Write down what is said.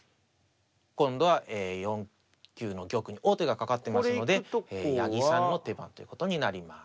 今度は４九の玉に王手がかかってますので八木さんの手番ということになります。